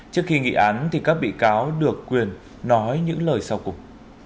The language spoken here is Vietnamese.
trước khi nghị án thì các bị cáo được quyền nói những lời sau cùng